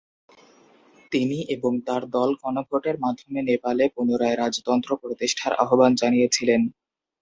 তিনি এবং তার দল গণভোটের মাধ্যমে নেপালে পুনরায় রাজতন্ত্র প্রতিষ্ঠার আহ্বান জানিয়েছিলেন।